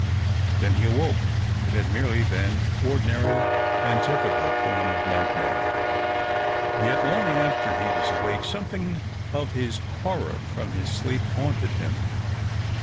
Then he awoke ; it had merely been ordinary and typical form of nightmare. Yet long after he was awake something of this horror from his sleep haunted him.